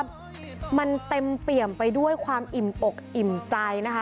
มันเต็มเปี่ยมไปด้วยความอิ่มอกอิ่มใจนะคะ